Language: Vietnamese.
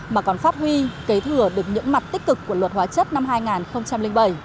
mà còn phát huy kế thừa được những mặt tích cực của luật hóa chất năm hai nghìn bảy